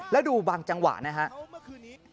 แล้วดูบางจังหวะนะครับ